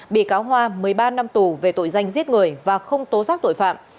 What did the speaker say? bị cáo hoa một mươi ba năm tù về tội danh giết người và không tố giác tội phạm